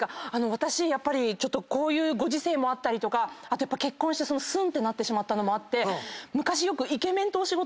私こういうご時世もあったりとかあと結婚してすんってなってしまったのもあって昔よく。